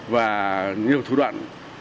và nhiều thủ đoạn